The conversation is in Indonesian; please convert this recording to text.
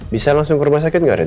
bisa langsung ke rumah sakit gak ren